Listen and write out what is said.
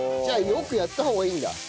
じゃあよくやった方がいいんだ。